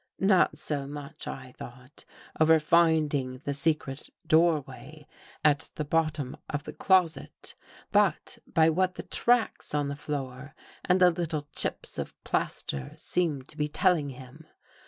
Not so much, I thought, over finding the secret doorway at the bot tom of the closet, but by what the tracks on the floor and the little chips of plaster seemed to be telling him.